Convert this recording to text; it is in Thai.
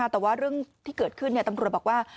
แต่ว่าเรื่องที่เกิดขึ้นตำรวจบอกว่า